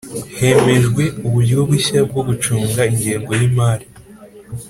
hemejwe uburyo bushya bwo gucunga ingengo y'imari